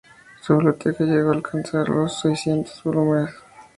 Su biblioteca llegó a alcanzar los seiscientos volúmenes.